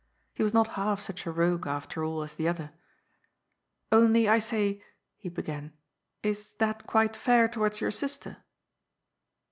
He was not half such a rogue, after all, as the other. ^' Only, I say," he began, " is that quite fair towards your sister